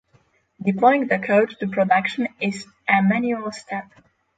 Deploying the code to production is a manual step